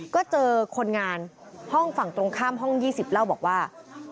ก็เจอคนงานห้องฝั่งตรงข้ามห้อง๒๐เล่าบอกว่า